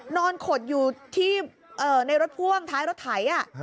นอนขดอยู่ในรถพ่วงท้ายรถไถ